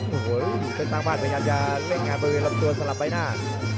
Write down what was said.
โอ้โหทุกท่านบ้านพยายามจะเล่นงานมาเป็นลำตัวสำหรับใบหน้า